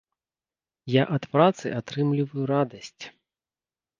Я ад працы атрымліваю радасць.